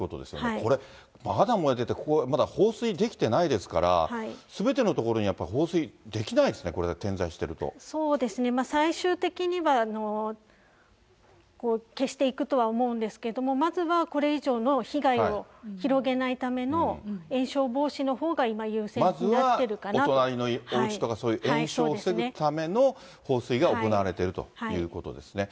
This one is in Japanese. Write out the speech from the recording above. これ、まだ燃えてて、ここはまだ放水できてないですから、すべての所にやっぱり放水、できないですね、これ、点在しているそうですね、最終的には、消していくとは思うんですけれども、まずは、これ以上の被害を広げないための延焼防止のほうが今、まずはお隣のおうちとか、そういう延焼を防ぐための放水が行われているということですね。